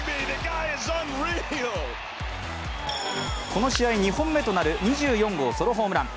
この試合、２本目となる２４号ソロホームラン。